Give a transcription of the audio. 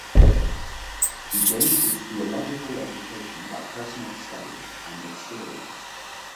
He gained his theological education by personal study and experience.